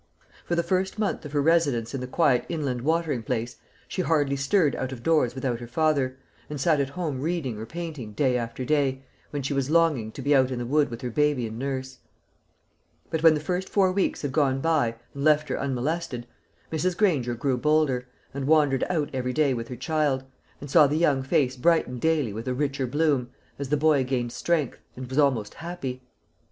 For the first month of her residence in the quiet inland watering place she hardly stirred out of doors without her father, and sat at home reading or painting day after day, when she was longing to be out in the wood with her baby and nurse. But when the first four weeks had gone by, and left her unmolested, Mrs. Granger grew bolder, and wandered out every day with her child, and saw the young face brighten daily with a richer bloom, as the boy gained strength, and was almost happy.